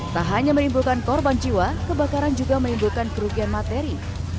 tak hanya menimbulkan korban jiwa kebakaran juga menimbulkan kerugian materi